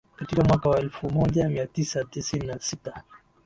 Katika mwaka wa elfu moja mia tisa tisini na sita